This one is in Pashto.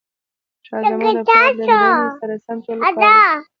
شاه زمان د پلار له مړینې سره سم ټول وروڼه کابل ښار ته راوبلل.